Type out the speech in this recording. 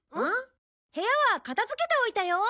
部屋は片づけておいたよ。